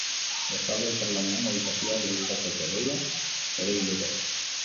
Bestalde, elkarlanean mobilizazioak bultzatzeko deia ere egin dute.